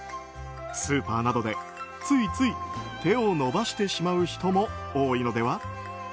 スーパーなどでついつい手を伸ばしてしまう人も多いのでは？